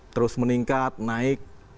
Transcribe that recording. terus meningkat naik